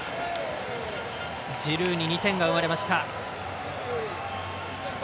ジルーに２点が生まれました。